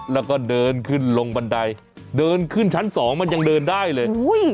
แล้วก็เดินขึ้นลงบันไดเดินขึ้นชั้นสองมันยังเดินได้เลย